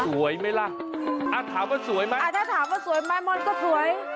สวยไหมล่ะถามว่าสวยไหมอ่าถ้าถามว่าสวยไหมมนต์ก็สวย